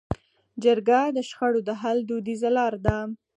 جرګه د شخړو د حل دودیزه لار ده.